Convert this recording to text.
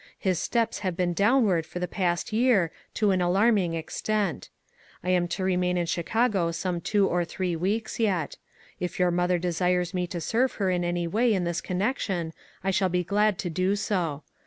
His steps have been downward for the past year, to an alarming extent. I am to re main in Chicago some two or three weeks yet. If your mother desires me to serve her in any way in this con nection, I shall be glad to do so.